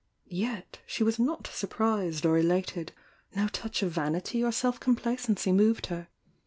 Yet she was not surprised or elated ; no touch of vanity or self complacency moved her.